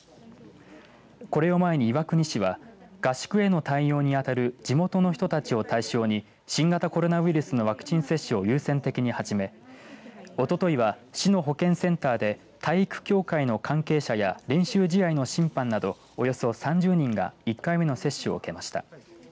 これを前に岩国市は合宿への対応に当たる地元の人たちを対象に新型コロナウイルスのワクチン接種を優先的に始めおとといは、市の保健センターに体育協会の関係者や練習試合の審判などおよそ３０人が１回目の接種を受けました。